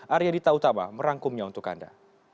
arya dita utama merangkumnya untuk anda